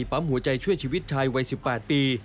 ปั๊มหัวใจช่วยชีวิตชายวัย๑๘ปี